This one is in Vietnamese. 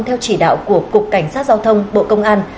theo chỉ đạo của cục cảnh sát giao thông bộ công an